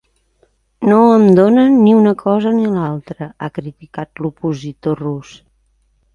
No em donen ni una cosa ni l’altra, ha criticat l’opositor rus.